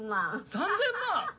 「３，０００万！？